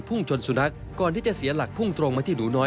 ่งชนสุนัขก่อนที่จะเสียหลักพุ่งตรงมาที่หนูน้อย